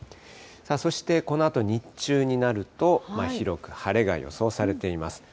そしてこのあと日中になると、広く晴れが予想されています。